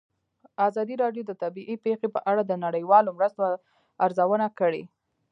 ازادي راډیو د طبیعي پېښې په اړه د نړیوالو مرستو ارزونه کړې.